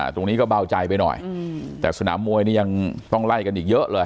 ตรงนี้ก็เบาใจไปหน่อยแต่สนามมวยนี่ยังต้องไล่กันอีกเยอะเลย